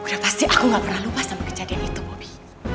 kenapa sih aku gak pernah lupa sama kejadian itu bobi